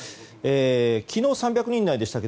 昨日３００人台でしたが